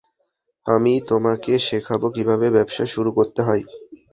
আমি তোমাকে শেখাব কিভাবে ব্যবসা শুরু করতে হয়।